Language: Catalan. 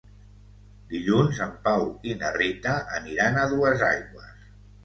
Dilluns en Pau i na Rita aniran a Duesaigües.